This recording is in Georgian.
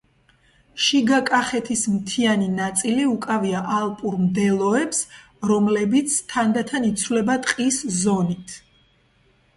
შიგა კახეთის მთიანი ნაწილი უკავია ალპურ მდელოებს, რომლებიც თანდათან იცვლება ტყის ზონით.